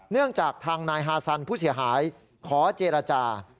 เนื่องจากทางนายฮาซันผู้เสียหายขอเจรจา